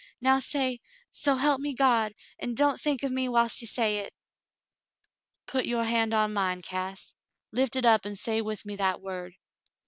Now say, *So help me God,' and don't think of me whilst you say it." "Put your hand on mine, Cass. Lift hit up an' say with me that word."